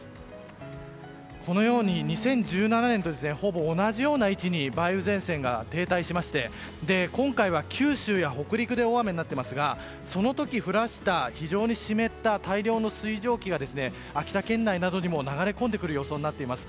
このように、２０１７年とほぼ同じような位置に梅雨前線が停滞しまして今回は、九州や北陸で大雨になっていますがその時降らせた非常に湿った大量の水蒸気が秋田県内などにも流れ込んでくる予想になっています。